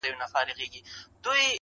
خلک اختر ته راځي ته خو د اختر نه لاړې